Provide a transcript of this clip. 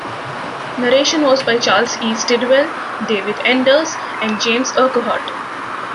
Narration was by Charles E. Stidwell, David Enders, and James Urquhart.